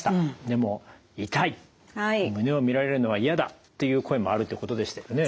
でも痛い胸を見られるのは嫌だという声もあるということでしたよね。